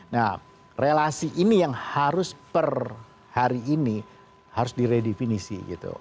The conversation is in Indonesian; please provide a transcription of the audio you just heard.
nah relasi ini yang harus per hari ini harus diredefinisi gitu